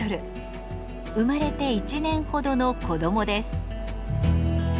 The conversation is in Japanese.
生まれて１年ほどの子どもです。